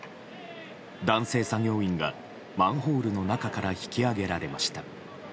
男性作業員がマンホールの中から引き上げられました。